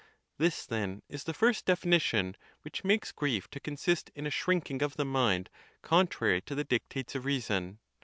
This, then, is the first definition, which makes grief to consist in a shrinking of the mind contra ry to the dictates of reason.